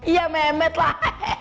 iya mehmet lah